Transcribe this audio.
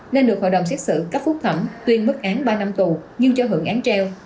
nên được hội đồng xét xử cấp phúc thẩm tuyên mức án ba năm tù nhưng cho hưởng án treo